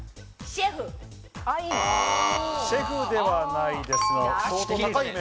シェフではないです。